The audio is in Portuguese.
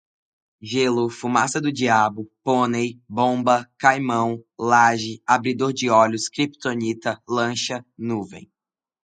gelo, fumaça do diabo, pônei, bomba, caimão, laje, abridor de olhos, kryptonita, lancha, nuvem